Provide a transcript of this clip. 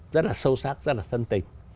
rất là sâu sắc rất là thân tình